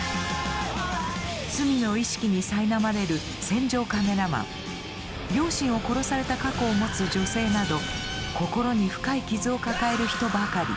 罪の意識にさいなまれる戦場カメラマン両親を殺された過去を持つ女性など心に深い傷を抱える人ばかり。